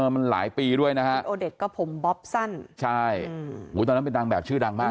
มันหลายปีด้วยนะครับตอนนั้นเป็นชื่อดังมาก